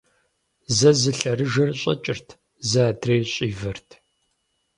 Зэ зы лъэрыжэр щӀэкӀырт, зэ адрейр щӀивэрт.